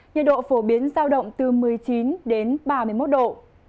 nhiệt độ phổ biến giao động từ một mươi chín đến ba mươi một độ